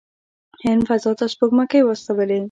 هند فضا ته سپوږمکۍ واستولې.